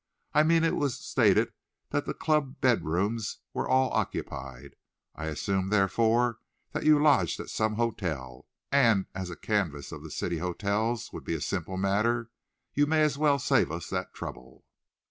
I mean, it was stated that the club bed rooms were all occupied. I assume, therefore, that you lodged at some hotel, and, as a canvass of the city hotels would be a simple matter, you may as well save us that trouble."